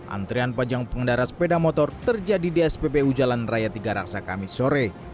antrian panjang pengendara sepeda motor terjadi di spbu jalan raya tiga raksa kami sore